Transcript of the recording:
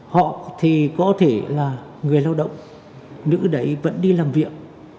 họ thì có thể là người lao động nữ đấy vẫn đi làm việc